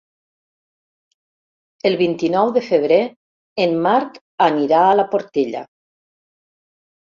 El vint-i-nou de febrer en Marc anirà a la Portella.